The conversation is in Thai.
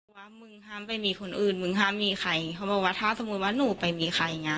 ว่ามึงห้ามไปมีคนอื่นมึงห้ามมีใครเขาบอกว่าถ้าสมมุติว่าหนูไปมีใครอย่างเงี้